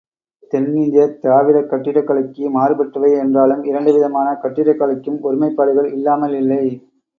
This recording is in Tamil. தென்னிந்தியத் திராவிடக் கட்டிடக் கலைக்கு மாறுபட்டவை என்றாலும், இரண்டு விதமான கட்டிடக் கலைகளுக்கும் ஒருமைப்பாடுகள் இல்லாமல் இல்லை.